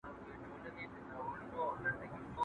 ¬ د بل جنگ نيم اختر دئ.